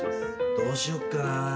どうしよっかな。